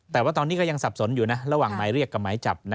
แต่ว่าตอนนี้ก็ยังสับสนอยู่นะระหว่างหมายเรียกกับหมายจับ